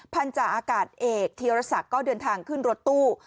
พันธาอากาศเอกธีรศักดิ์ก็เดินทางขึ้นรถตู้